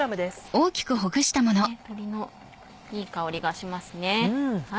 鶏のいい香りがしますね。